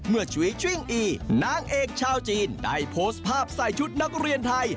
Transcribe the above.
ฉุยชิ่งอีนางเอกชาวจีนได้โพสต์ภาพใส่ชุดนักเรียนไทย